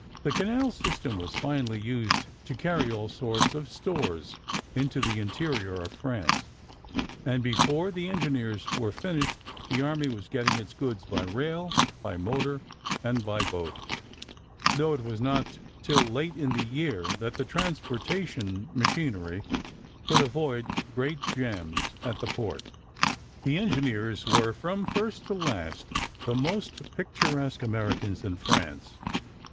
The canal system was finally used to carry all sorts of stores into the interior of France, and before the engineers were finished the army was getting its goods by rail, by motor, and by boat, though it was not till late in the year that the transportation machinery could avoid great jams at the port. The engineers were, from first to last, the most picturesque Americans in France.